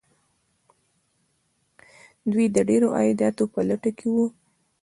دوی د ډیرو عایداتو په لټه کې وو.